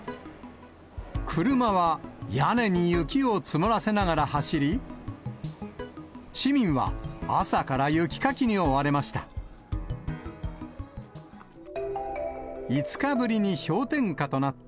車は、屋根に雪を積もらせながら走り、市民は朝から雪かきに追われました。